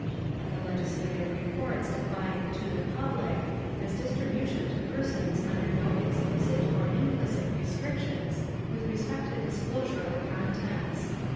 The legislative reports define "to the public" as distribution to persons under no explicit or implicit restrictions with respect to disclosure of the contents.